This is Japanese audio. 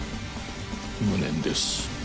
無念です